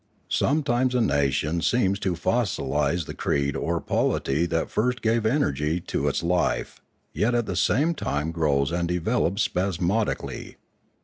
Sometimes a nation seems to fossilise the creed or polity that first gave energy to its life, yet at the same time grows and develops spasmodically.